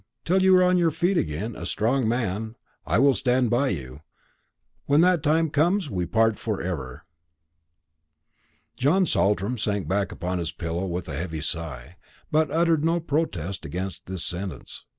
Till you are on your feet again, a strong man, I will stand by you; when that time comes, we part for ever." John Saltram sank back upon his pillow with a heavy sigh, but uttered no protest against this sentence.